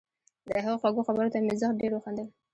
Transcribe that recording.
د هغې خوږو خبرو ته مې زښت ډېر وخندل